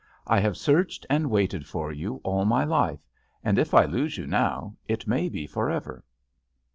I have searched and waited for you all my life, and if I lose you now it may be forever."